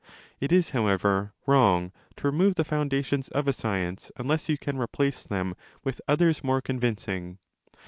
It is, however, wrong 5 to remove the foundations of a science unless you can replace them with others more convincing.